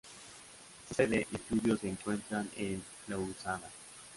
Su sede y estudios se encuentran en Lausana.